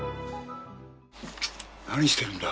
何してるんだ？